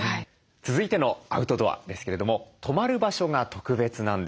続いてのアウトドアですけれども泊まる場所が特別なんです。